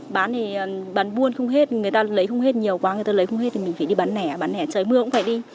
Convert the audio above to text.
bán thì bán buôn không hết người ta lấy không hết nhiều quá người ta lấy không hết thì mình phải đi bán nẻ bán lẻ trời mưa cũng phải đi